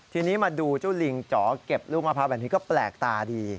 ทีนี้มาดูเจ้าลิงจ๋อเก็บลูกมะพร้าวแบบนี้ก็แปลกตาดี